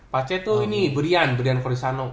pace tuh ini berian berian corisano